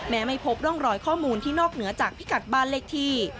ไม่พบร่องรอยข้อมูลที่นอกเหนือจากพิกัดบ้านเลขที่